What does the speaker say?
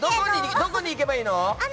どこに行けばいいの？